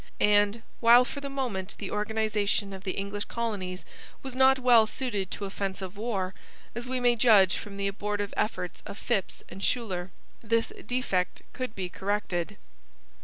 And, while for the moment the organization of the English colonies was not well suited to offensive war, as we may judge from the abortive efforts of Phips and Schuyler, this defect could be corrected.